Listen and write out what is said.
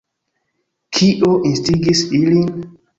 Kio instigis ilin?